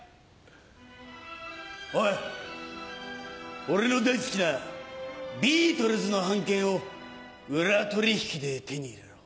おい俺の大好きなビートルズの版権を裏取引で手に入れろ。